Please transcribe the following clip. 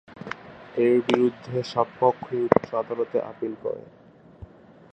এর বিরুদ্ধে সব পক্ষই উচ্চ আদালতে আপীল করে।